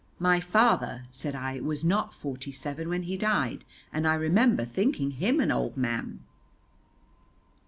"My father," said I, "was not forty seven when he died, and I remember thinking him an old man."